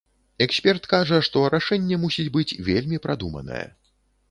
Эксперт кажа, што рашэнне мусіць быць вельмі прадуманае.